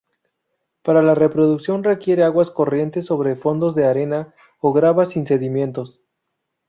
Para la reproducción requiere aguas corrientes sobre fondos de arena o grava sin sedimentos.